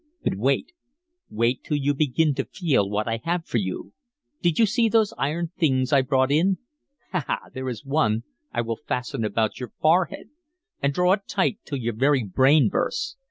But wait wait till you begin to feel what I have for you. Did you see those iron things I brought in? Ha, ha! There is one I will fasten about your forehead and draw it tight till your very brain bursts.